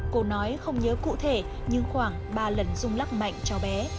cô nói không nhớ cụ thể nhưng khoảng ba lần rung lắc mạnh cho bé